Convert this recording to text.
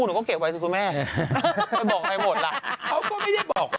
รอทุกวันอ่ะเราไปก่อน